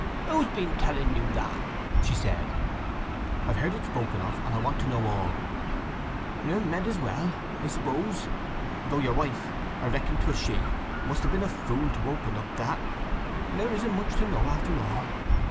"Who's been telling you that?" she said. "I have heard it spoken of, and want to know all." "You med so well, I s'pose; though your wife—I reckon 'twas she—must have been a fool to open up that! There isn't much to know after all.